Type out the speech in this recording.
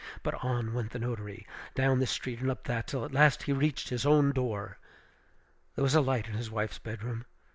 But on went the notary, down this street and up that, till at last he reached his own door. There was a light in his wife's bedroom.